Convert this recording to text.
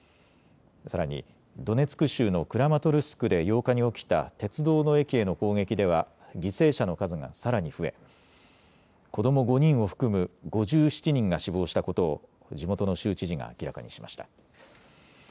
さらにドネツク州のクラマトルスクで８日に起きた鉄道の駅への攻撃では犠牲者の数がさらに増え子ども５人を含む５７人が死亡したことを地元の州知事が明らかにしました。